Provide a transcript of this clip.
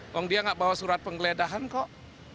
kok dia nggak bawa surat penggeledahan kok